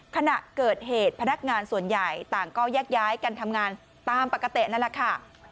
ขณะเกิดเหตุพนักงานส่วนใหญ่ต่างก็แยกย้ายกันทำงานตามปกตินั่นแหละค่ะ